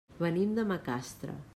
Venim de Macastre.